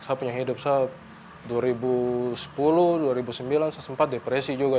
saya punya hidup saya dua ribu sepuluh dua ribu sembilan saya sempat depresi juga